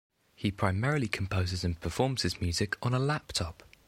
He primarily composes and performs his music on a laptop.